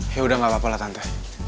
ya udah gak apa apalah tante